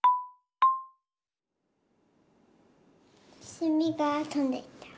せみがとんでった。